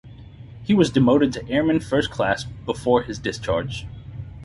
He was demoted to Airman First Class before his discharge.